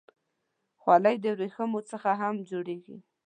خولۍ د ورېښمو څخه هم جوړېږي.